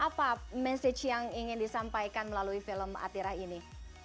apa message yang ingin disampaikan melalui film atirah ini